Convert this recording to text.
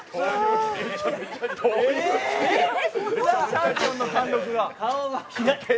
チャンピオンの貫禄が。